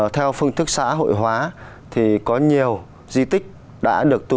theo phương thức xã hội hóa thì có nhiều di tích đã được tu